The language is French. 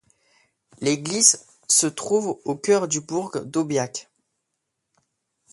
L'église se trouve au cœur du bourg d'Aubiac.